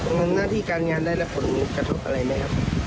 งานที่การงานได้ผลกระทบอะไรมั้ยครับ